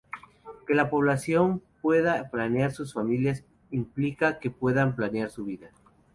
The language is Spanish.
Que la población pueda planear sus familias implica que puedan planear su vida.